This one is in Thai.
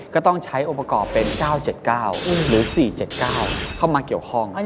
ก็ต้องใช้องค์ประกอบเป็น๙๗๙หรือ๔๗๙เข้ามาเกี่ยวข้อง